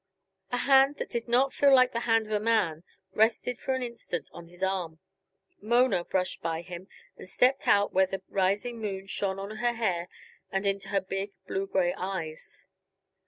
A hand that did not feel like the hand of a man rested for an instant on his arm. Mona brushed by him and stepped out where the rising moon shone on her hair and into her big, blue gray eyes.